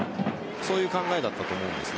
そういう考えだったと思うんです。